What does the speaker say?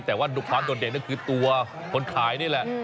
แต่ว่าดูความโดดเด่นก็คือตัวคนขายนี่แหละ